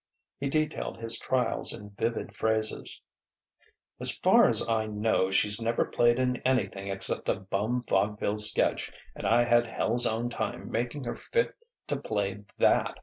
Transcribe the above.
He detailed his trials in vivid phrases: "As far as I know, she's never played in anything except a bum vaudeville sketch, and I had hell's own time making her fit to play that.